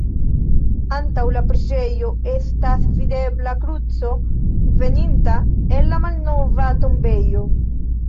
Antaŭ la preĝejo estas videbla kruco veninta el la malnova tombejo.